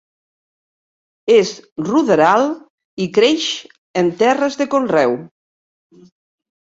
És ruderal i creix en terres de conreu.